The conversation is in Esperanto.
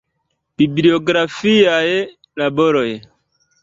Bibliografiaj laboroj.